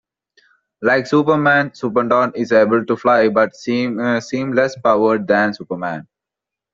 Like Superman, Superdupont is able to fly but seems less superpowered than Superman.